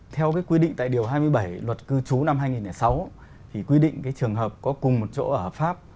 theo quy định tại điều hai mươi bảy luật cư trú năm hai nghìn sáu thì quy định trường hợp có cùng một chỗ ở hợp pháp